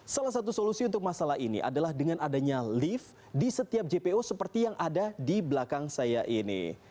salah satu solusi untuk masalah ini adalah dengan adanya lift di setiap jpo seperti yang ada di belakang saya ini